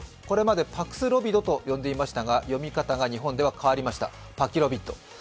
これまでパクスロビドと呼んでいましたが、読み方が日本では変わりました、パキロビッド。